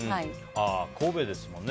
神戸ですもんね。